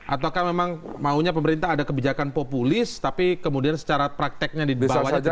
atau kan memang maunya pemerintah ada kebijakan populis tapi kemudian secara prakteknya di bawahnya tidak terpikirkan